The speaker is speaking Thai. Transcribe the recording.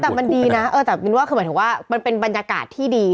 แต่มันดีนะแต่มันถือว่ามันเป็นบรรยากาศที่ดี